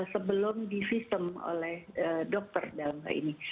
sebelum difisem oleh dokter dalam hal ini